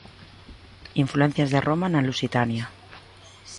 Influencias de Roma na Lusitania.